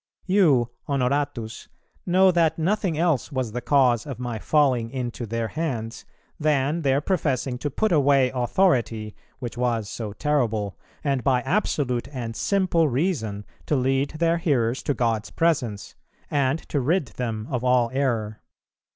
You, Honoratus, know that nothing else was the cause of my falling into their hands, than their professing to put away Authority which was so terrible, and by absolute and simple Reason to lead their hearers to God's presence, and to rid them of all error.